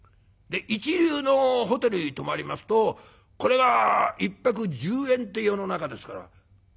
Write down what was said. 一流のホテルに泊まりますとこれが１泊１０円って世の中ですからこれは大変な額ですよね。